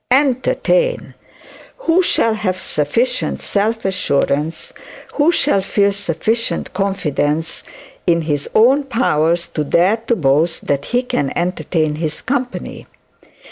Entertain! Who shall have sufficient self assurance, who shall feel sufficient confidence in his own powers to dare to boast that he can entertain his company?